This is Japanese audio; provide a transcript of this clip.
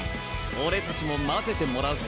俺たちも交ぜてもらうぞ。